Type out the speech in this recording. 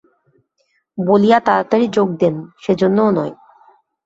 বলিয়া তাড়াতাড়ি যোগ দেন, সেজন্যও নয়।